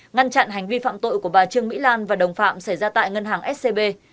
ngăn chặn hành vi phạm tội của bà trương mỹ lan và đồng phạm xảy ra tại ngân hàng scb